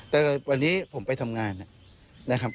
แต่วันนี้ผมไปทำงานนะครับ